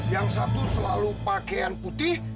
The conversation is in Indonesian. yang satu selalu pakaian putih